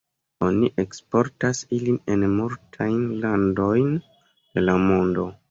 Oni eksportas ilin en multajn landojn de la mondo.